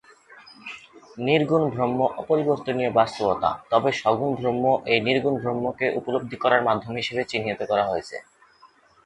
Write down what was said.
নির্গুণ ব্রহ্ম অপরিবর্তনীয় বাস্তবতা, তবে, সগুণ ব্রহ্ম এই নির্গুণ ব্রহ্মকে উপলব্ধি করার মাধ্যম হিসেবে চিহ্নিত করা হয়েছে।